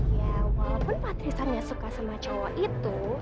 ya walaupun patristan gak suka sama cowok itu